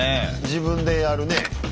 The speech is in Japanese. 自分でやるねえ。